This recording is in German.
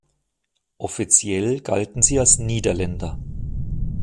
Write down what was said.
Offiziell galten sie als Niederländer.